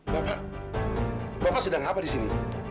bapak bapak sedang apa disini